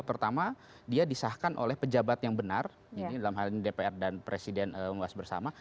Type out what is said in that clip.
pertama dia disahkan oleh pejabat yang benar dalam hal ini dpr dan presiden menguas bersama